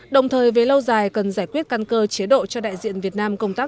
đồng thời về lâu dài cần giải quyết căn cơ chế độ cho đại diện việt nam công tác